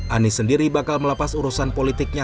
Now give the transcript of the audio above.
anis sendiri bakal melapas urusan politiknya